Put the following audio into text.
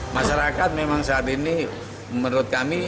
masyarakat memang saat ini menurut kami